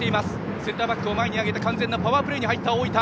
センターバックを前に上げて完全にパワープレーに入った大分。